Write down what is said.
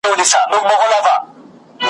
ریا کاري ده، عبادت په کار دئ